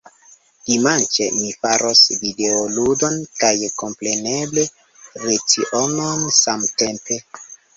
Dimanĉe, mi faros videoludon kaj kompreneble lecionon samtempe.